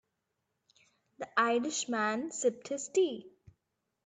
The Irish man sipped his tea.